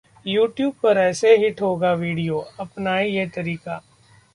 YouTube पर ऐसे hit होगा वीडियो, अपनाएं ये तरीका